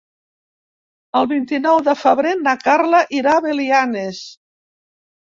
El vint-i-nou de febrer na Carla irà a Belianes.